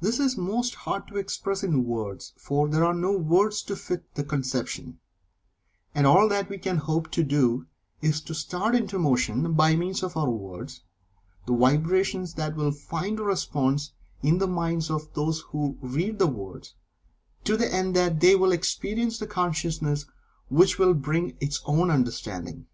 This is most hard to express in words, for there are no words to fit the conception, and all that we can hope to do is to start into motion, by means of our words, the vibrations that will find a response in the minds of those who read the words, to the end that they will experience the consciousness which will bring its own understanding.